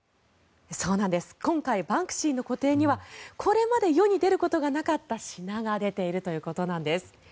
今回バンクシーの個展にはこれまで世に出ることがなかった品が出ているということです。